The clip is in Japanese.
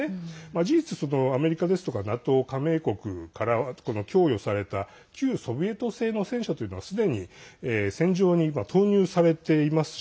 事実、アメリカですとかＮＡＴＯ加盟国から供与された旧ソビエト製の戦車というのはすでに戦場に投入されていますし